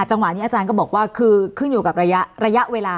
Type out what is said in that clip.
จังหวะนี้อาจารย์ก็บอกว่าคือขึ้นอยู่กับระยะเวลา